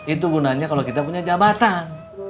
itu gunanya kalau kita punya jabatan